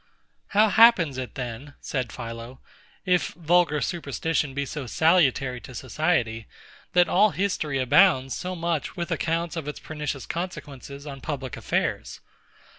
How happens it then, said PHILO, if vulgar superstition be so salutary to society, that all history abounds so much with accounts of its pernicious consequences on public affairs?